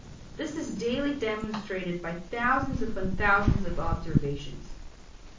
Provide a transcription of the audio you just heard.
This is daily demonstrated by thousands upon thousands of observations.